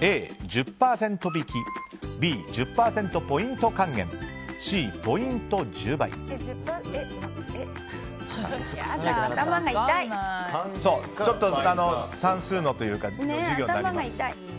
Ａ、１０％引きＢ、１０％ポイント還元Ｃ、ポイント１０倍ちょっと算数の授業になります。